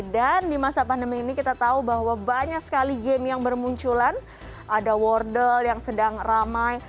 dan di masa pandemi ini kita tahu bahwa banyak sekali game yang bermunculan ada wordle yang sedang ramai